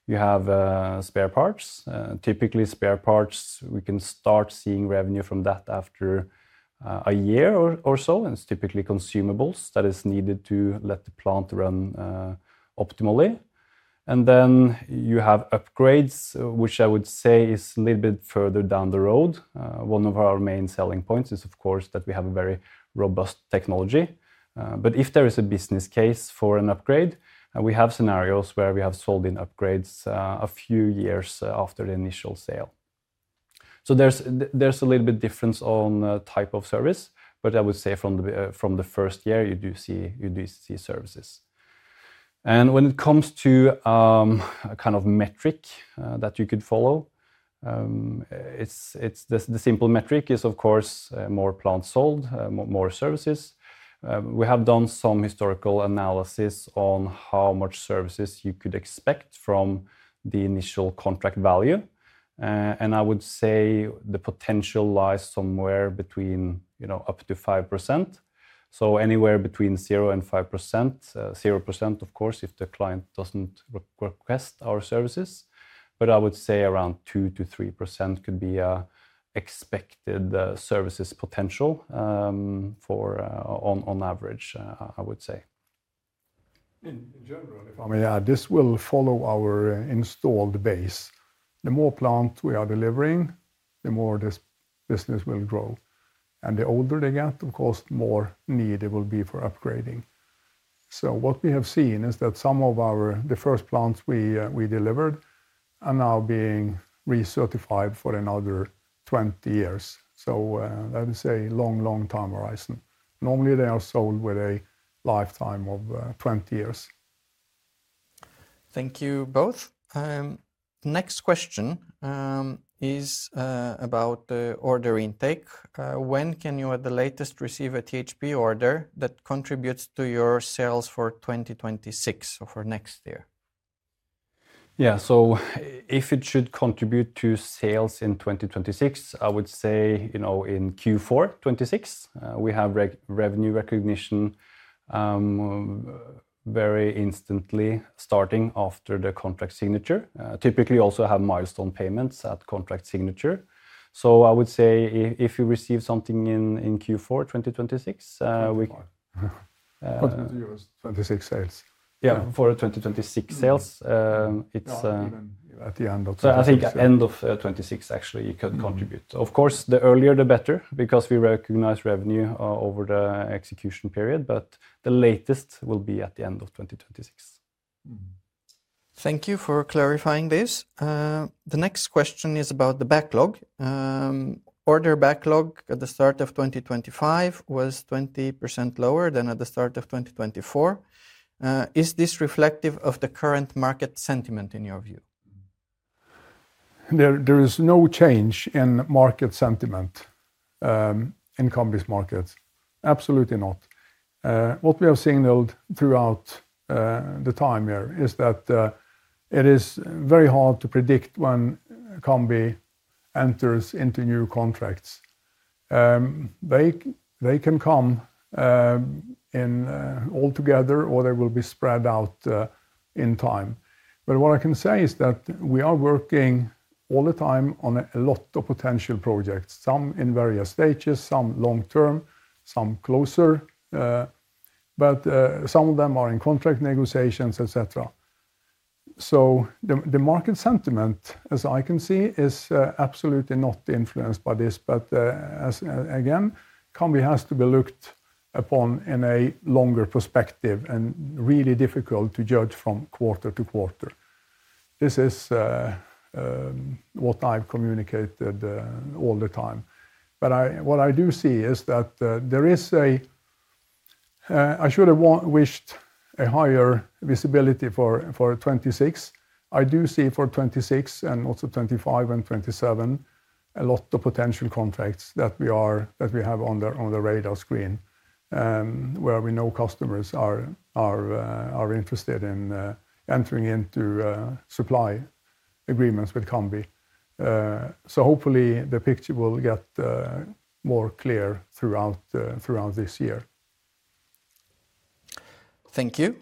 [SPEAKER 3] You have spare parts. Typically, spare parts, we can start seeing revenue from that after a year or so. It is typically consumables that are needed to let the plant run optimally. You have upgrades, which I would say is a little bit further down the road. One of our main selling points is, of course, that we have a very robust technology. If there is a business case for an upgrade, we have scenarios where we have sold in upgrades a few years after the initial sale. There is a little bit of difference on type of service, but I would say from the first year, you do see services. When it comes to a kind of metric that you could follow, the simple metric is, of course, more plants sold, more services. We have done some historical analysis on how much services you could expect from the initial contract value. I would say the potential lies somewhere between, you know, up to 5%. Anywhere between 0%-5%, 0% of course if the client does not request our services. I would say around 2%-3% could be an expected services potential on average, I would say.
[SPEAKER 2] In general, if I may add, this will follow our installed base. The more plants we are delivering, the more this business will grow. The older they get, of course, the more need there will be for upgrading. What we have seen is that some of our first plants we delivered are now being recertified for another 20 years. That is a long, long time horizon. Normally, they are sold with a lifetime of 20 years.
[SPEAKER 1] Thank you both. Next question is about the order intake. When can you, at the latest, receive a THP order that contributes to your sales for 2026 or for next year?
[SPEAKER 3] Yeah, so if it should contribute to sales in 2026, I would say, you know, in Q4 2026, we have revenue recognition very instantly starting after the contract signature. Typically, we also have milestone payments at contract signature. So I would say if you receive something in Q4 2026, we continue with 2026 sales. Yeah, for the 2026 sales, it's not even at the end of 2026. I think end of 2026, actually, it could contribute. Of course, the earlier, the better, because we recognize revenue over the execution period, but the latest will be at the end of 2026.
[SPEAKER 1] Thank you for clarifying this. The next question is about the backlog. Order backlog at the start of 2025 was 20% lower than at the start of 2024. Is this reflective of the current market sentiment in your view?
[SPEAKER 2] There is no change in market sentiment in Cambi's market. Absolutely not. What we have signaled throughout the time here is that it is very hard to predict when Cambi enters into new contracts. They can come all together or they will be spread out in time. What I can say is that we are working all the time on a lot of potential projects, some in various stages, some long term, some closer, but some of them are in contract negotiations, etc. The market sentiment, as I can see, is absolutely not influenced by this. Cambi has to be looked upon in a longer perspective and really difficult to judge from quarter to quarter. This is what I've communicated all the time. What I do see is that there is a, I should have wished a higher visibility for 2026. I do see for 2026 and also 2025 and 2027 a lot of potential contracts that we have on the radar screen where we know customers are interested in entering into supply agreements with Cambi. Hopefully the picture will get more clear throughout this year.
[SPEAKER 1] Thank you.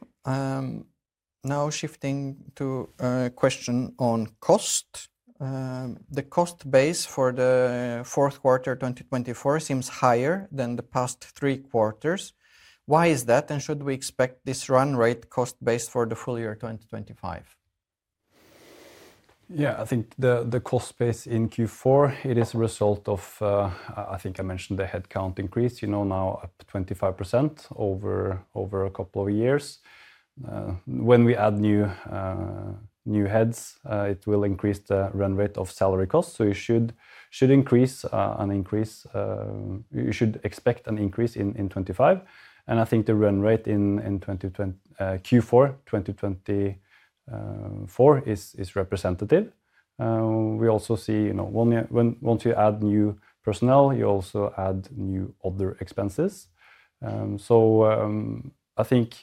[SPEAKER 1] Now shifting to a question on cost. The cost base for the fourth quarter 2024 seems higher than the past three quarters. Why is that, and should we expect this run rate cost base for the full year 2025?
[SPEAKER 3] Yeah, I think the cost base in Q4, it is a result of, I think I mentioned the headcount increase, you know, now up 25% over a couple of years. When we add new heads, it will increase the run rate of salary costs. You should expect an increase in 2025. I think the run rate in Q4 2024 is representative. We also see, you know, once you add new personnel, you also add new other expenses. I think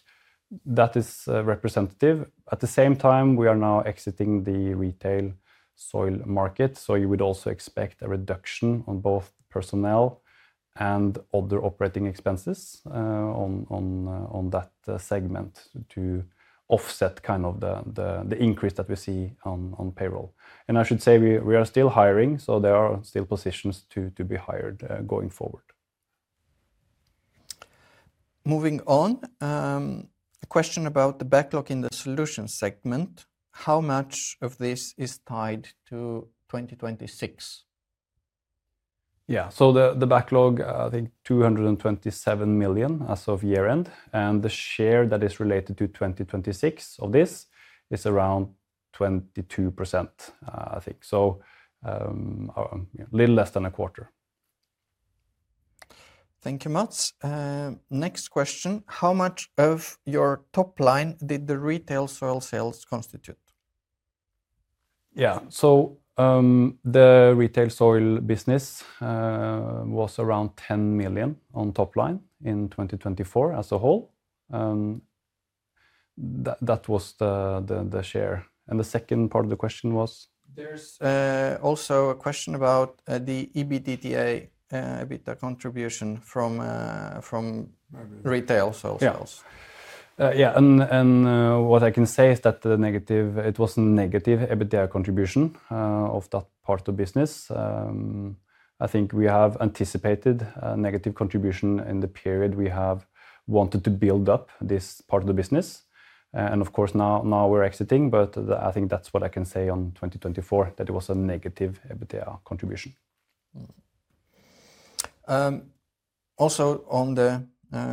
[SPEAKER 3] that is representative. At the same time, we are now exiting the retail soil market. You would also expect a reduction on both personnel and other operating expenses on that segment to offset kind of the increase that we see on payroll. I should say we are still hiring, so there are still positions to be hired going forward.
[SPEAKER 1] Moving on, a question about the backlog in the solution segment. How much of this is tied to 2026?
[SPEAKER 3] Yeah, so the backlog, I think 227 million as of year-end. The share that is related to 2026 of this is around 22%, I think. A little less than a quarter.
[SPEAKER 1] Thank you, Mats. Next question. How much of your top line did the retail soil sales constitute?
[SPEAKER 3] Yeah, so the retail soil business was around 10 million on top line in 2024 as a whole. That was the share. The second part of the question was?
[SPEAKER 1] There's also a question about the EBITDA contribution from retail soil sales.
[SPEAKER 3] Yeah, and what I can say is that the negative, it was a negative EBITDA contribution of that part of the business. I think we have anticipated a negative contribution in the period we have wanted to build up this part of the business. Of course, now we're exiting, but I think that's what I can say on 2024, that it was a negative EBITDA contribution.
[SPEAKER 1] Also on the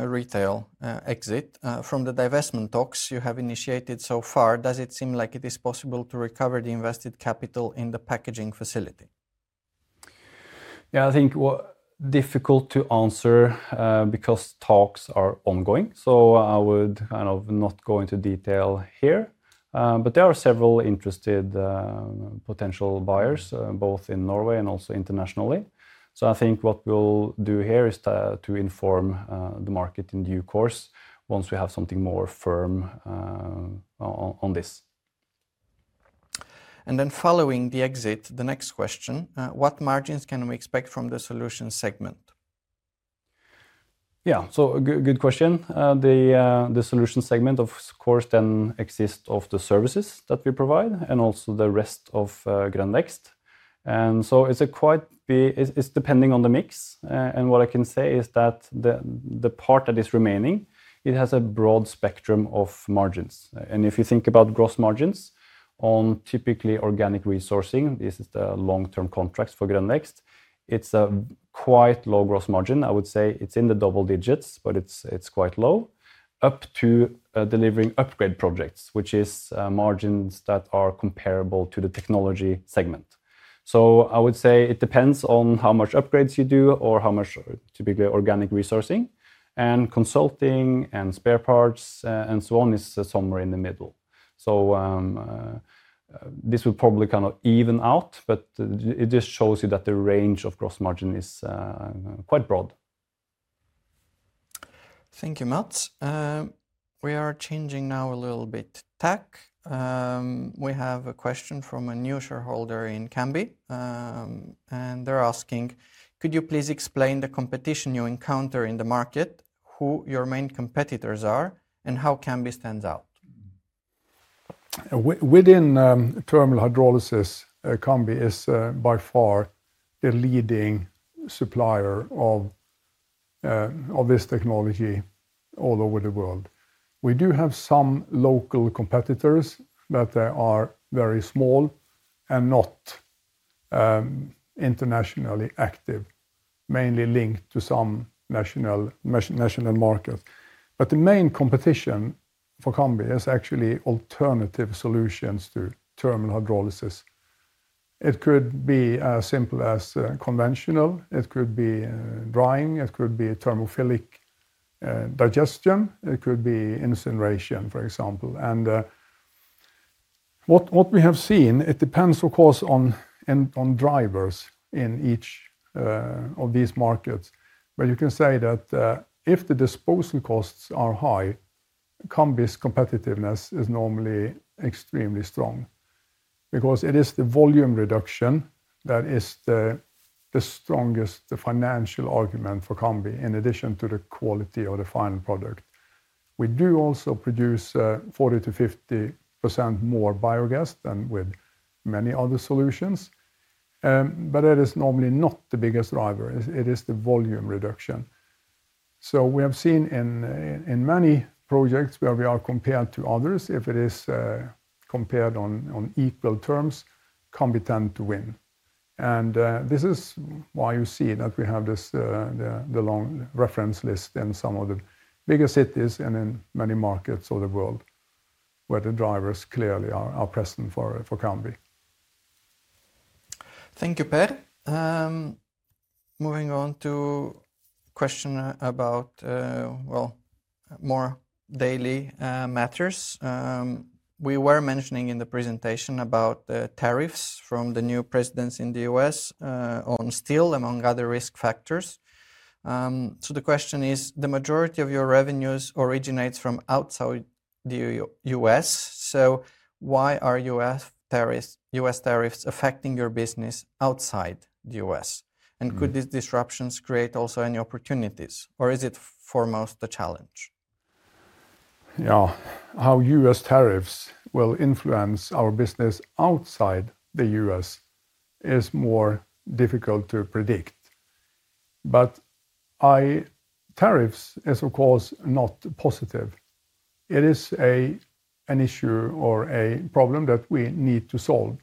[SPEAKER 1] retail exit, from the divestment talks you have initiated so far, does it seem like it is possible to recover the invested capital in the packaging facility?
[SPEAKER 3] Yeah, I think difficult to answer because talks are ongoing. I would kind of not go into detail here. There are several interested potential buyers, both in Norway and also internationally. I think what we'll do here is to inform the market in due course once we have something more firm on this.
[SPEAKER 1] Following the exit, the next question, what margins can we expect from the solution segment?
[SPEAKER 3] Yeah, good question. The solution segment, of course, then exists of the services that we provide and also the rest of Grønn Vekst. It's a quite, it's depending on the mix. What I can say is that the part that is remaining, it has a broad spectrum of margins. If you think about gross margins on typically organic resourcing, this is the long-term contracts for Grønn Vekst, it's a quite low gross margin. I would say it's in the double digits, but it's quite low up to delivering upgrade projects, which is margins that are comparable to the technology segment. I would say it depends on how much upgrades you do or how much typically organic resourcing. Consulting and spare parts and so on is somewhere in the middle. This will probably kind of even out, but it just shows you that the range of gross margin is quite broad.
[SPEAKER 1] Thank you, Mats. We are changing now a little bit tech. We have a question from a new shareholder in Cambi. Could you please explain the competition you encounter in the market, who your main competitors are, and how Cambi stands out?
[SPEAKER 2] Within thermal hydrolysis, Cambi is by far the leading supplier of this technology all over the world. We do have some local competitors, but they are very small and not internationally active, mainly linked to some national markets. The main competition for Cambi is actually alternative solutions to thermal hydrolysis. It could be as simple as conventional. It could be drying. It could be thermophilic digestion. It could be incineration, for example. What we have seen, it depends, of course, on drivers in each of these markets. You can say that if the disposal costs are high, Cambi's competitiveness is normally extremely strong because it is the volume reduction that is the strongest financial argument for Cambi, in addition to the quality of the final product. We do also produce 40%-50% more biogas than with many other solutions. It is normally not the biggest driver. It is the volume reduction. We have seen in many projects where we are compared to others, if it is compared on equal terms, Cambi tends to win. This is why you see that we have the long reference list in some of the bigger cities and in many markets of the world where the drivers clearly are present for Cambi.
[SPEAKER 1] Thank you, Per. Moving on to a question about, well, more daily matters. We were mentioning in the presentation about the tariffs from the new presidents in the U.S. on steel, among other risk factors. The question is, the majority of your revenues originates from outside the U.S. Why are U.S. tariffs affecting your business outside the U.S.? Could these disruptions create also any opportunities, or is it foremost a challenge?
[SPEAKER 2] Yeah, how U.S. tariffs will influence our business outside the U.S. is more difficult to predict. Tariffs are, of course, not positive. It is an issue or a problem that we need to solve.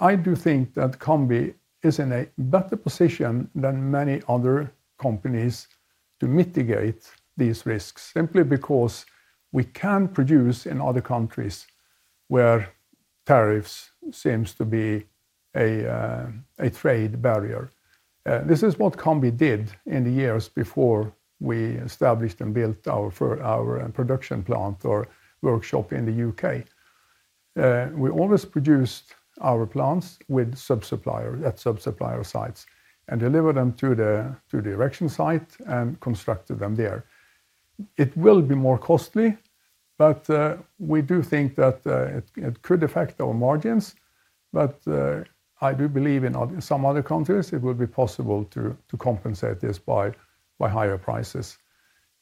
[SPEAKER 2] I do think that Cambi is in a better position than many other companies to mitigate these risks, simply because we can produce in other countries where tariffs seem to be a trade barrier. This is what Cambi did in the years before we established and built our production plant or workshop in the U.K.. We always produced our plants with subsuppliers at subsupplier sites and delivered them to the erection site and constructed them there. It will be more costly, but we do think that it could affect our margins. I do believe in some other countries, it will be possible to compensate this by higher prices.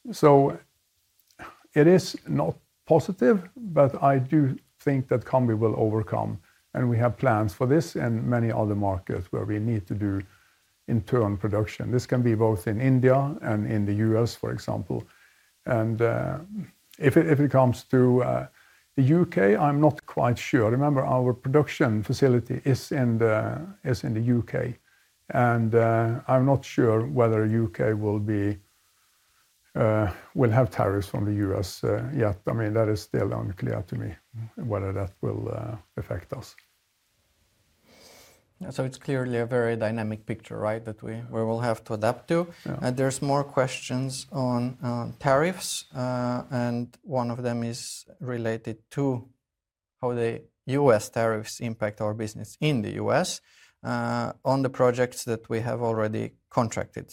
[SPEAKER 2] It is not positive, but I do think that Cambi will overcome. We have plans for this in many other markets where we need to do internal production. This can be both in India and in the U.S., for example. If it comes to the U.K., I'm not quite sure. Remember, our production facility is in the U.K.. I'm not sure whether the U.K. will have tariffs on the U.S. yet. I mean, that is still unclear to me whether that will affect us.
[SPEAKER 1] It is clearly a very dynamic picture, right, that we will have to adapt to. There are more questions on tariffs. One of them is related to how the U.S. tariffs impact our business in the U.S. on the projects that we have already contracted.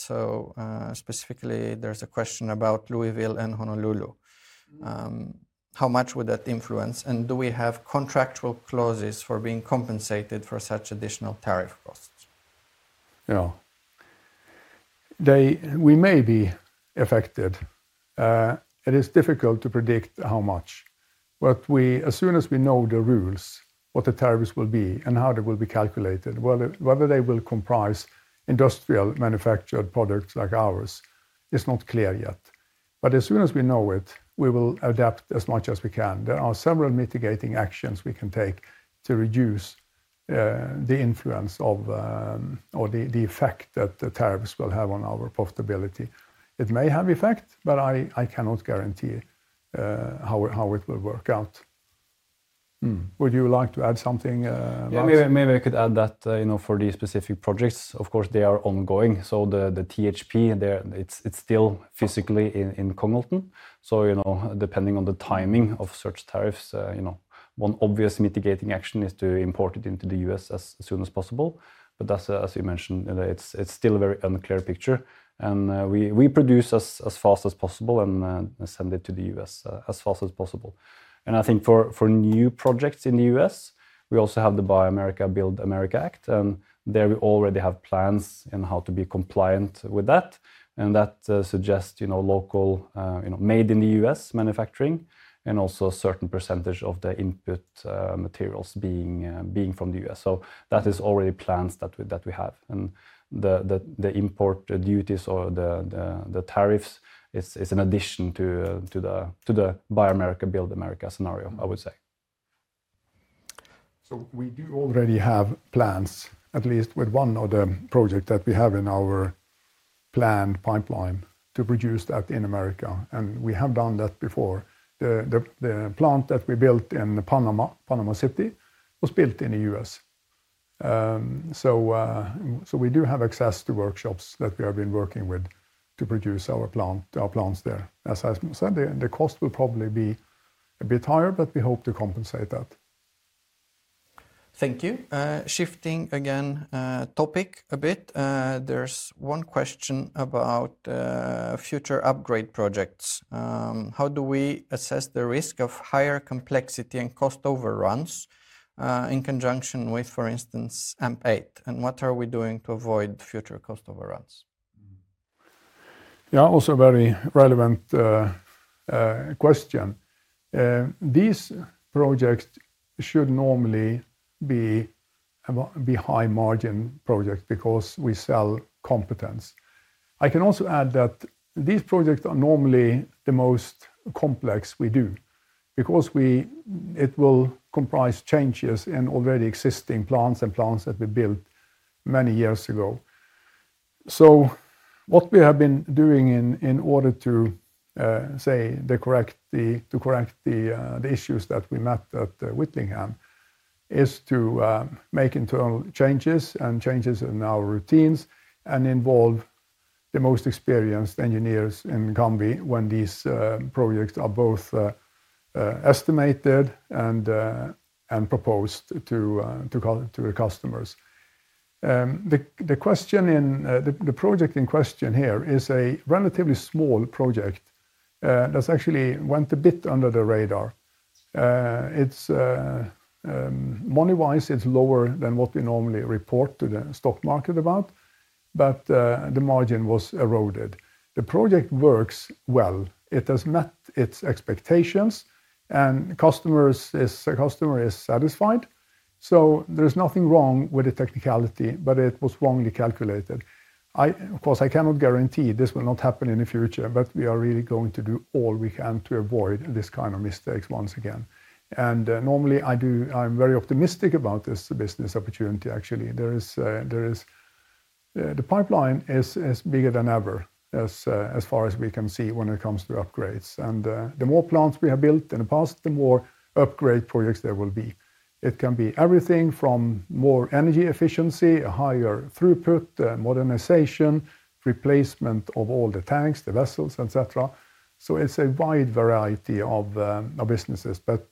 [SPEAKER 1] Specifically, there is a question about Louisville and Honolulu. How much would that influence? Do we have contractual clauses for being compensated for such additional tariff costs?
[SPEAKER 2] Yeah. We may be affected. It is difficult to predict how much. As soon as we know the rules, what the tariffs will be and how they will be calculated, whether they will comprise industrial manufactured products like ours, it is not clear yet. As soon as we know it, we will adapt as much as we can. There are several mitigating actions we can take to reduce the influence or the effect that the tariffs will have on our profitability. It may have effect, but I cannot guarantee how it will work out. Would you like to add something, Mats?
[SPEAKER 3] Yeah, maybe I could add that, you know, for these specific projects, of course, they are ongoing. The THP, it's still physically in Congleton. You know, depending on the timing of such tariffs, one obvious mitigating action is to import it into the U.S. as soon as possible. As you mentioned, it's still a very unclear picture. We produce as fast as possible and send it to the U.S. as fast as possible. I think for new projects in the U.S., we also have the Buy America, Build America Act. There we already have plans in how to be compliant with that. That suggests, you know, local, you know, made in the U.S. manufacturing and also a certain percentage of the input materials being from the U.S.. That is already plans that we have. The import duties or the tariffs is an addition to the Buy America, Build America scenario, I would say.
[SPEAKER 2] We do already have plans, at least with one other project that we have in our planned pipeline to produce that in America. We have done that before. The plant that we built in Panama City was built in the U.S.. We do have access to workshops that we have been working with to produce our plants there. As I said, the cost will probably be a bit higher, but we hope to compensate that.
[SPEAKER 1] Thank you. Shifting again topic a bit. There's one question about future upgrade projects. How do we assess the risk of higher complexity and cost overruns in conjunction with, for instance, AMP8? What are we doing to avoid future cost overruns?
[SPEAKER 2] Yeah, also a very relevant question. These projects should normally be high margin projects because we sell competence. I can also add that these projects are normally the most complex we do because it will comprise changes in already existing plants and plants that we built many years ago. What we have been doing in order to, say, to correct the issues that we met at Whittingham is to make internal changes and changes in our routines and involve the most experienced engineers in Cambi when these projects are both estimated and proposed to the customers. The project in question here is a relatively small project that actually went a bit under the radar. Money-wise, it's lower than what we normally report to the stock market about, but the margin was eroded. The project works well. It has met its expectations and customer is satisfied. There is nothing wrong with the technicality, but it was wrongly calculated. Of course, I cannot guarantee this will not happen in the future, but we are really going to do all we can to avoid this kind of mistakes once again. Normally, I am very optimistic about this business opportunity, actually. The pipeline is bigger than ever as far as we can see when it comes to upgrades. The more plants we have built in the past, the more upgrade projects there will be. It can be everything from more energy efficiency, a higher throughput, modernization, replacement of all the tanks, the vessels, etc. It is a wide variety of businesses, but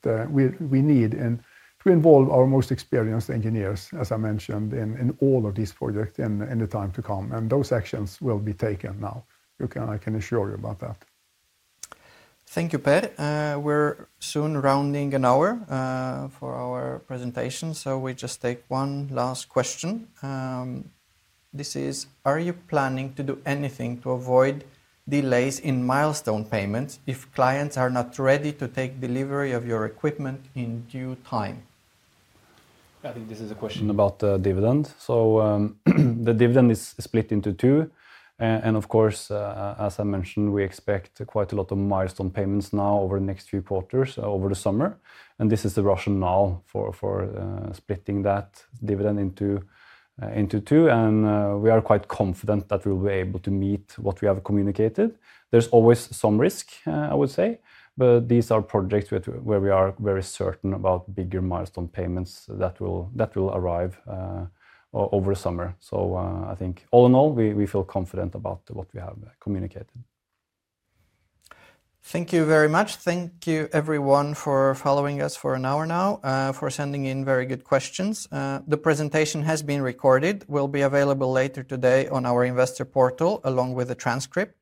[SPEAKER 2] we need to involve our most experienced engineers, as I mentioned, in all of these projects in the time to come. Those actions will be taken now. I can assure you about that.
[SPEAKER 1] Thank you, Per. We are soon rounding an hour for our presentation. We just take one last question. This is, are you planning to do anything to avoid delays in milestone payments if clients are not ready to take delivery of your equipment in due time?
[SPEAKER 3] I think this is a question about the dividend. The dividend is split into two. Of course, as I mentioned, we expect quite a lot of milestone payments now over the next few quarters, over the summer. This is the rationale for splitting that dividend into two. We are quite confident that we will be able to meet what we have communicated. There is always some risk, I would say, but these are projects where we are very certain about bigger milestone payments that will arrive over the summer. I think all in all, we feel confident about what we have communicated.
[SPEAKER 1] Thank you very much. Thank you, everyone, for following us for an hour now, for sending in very good questions. The presentation has been recorded and will be available later today on our investor portal along with the transcript.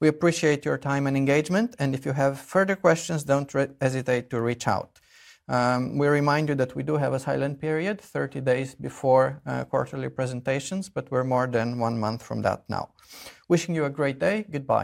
[SPEAKER 1] We appreciate your time and engagement. If you have further questions, do not hesitate to reach out. We remind you that we do have a silent period, 30 days before quarterly presentations, but we are more than one month from that now. Wishing you a great day. Goodbye.